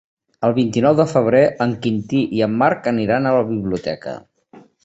El vint-i-nou de febrer en Quintí i en Marc aniran a la biblioteca.